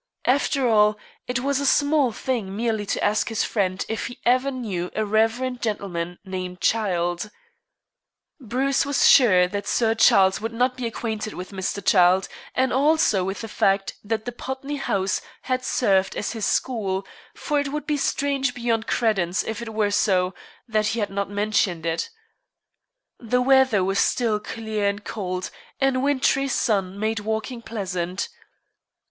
After all, it was a small thing merely to ask his friend if he ever knew a reverend gentleman named Childe. Bruce was sure that Sir Charles would not be acquainted with Mr. Childe, and also with the fact that the Putney house had served as his school, for it would be strange beyond credence if it were so that he had not mentioned it. The weather was still clear and cold, and a wintry sun made walking pleasant.